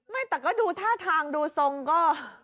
ไม่แต่ก็ดูท่าทางดูทรงก็